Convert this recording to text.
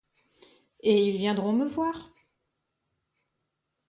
Et ils viendront me voir.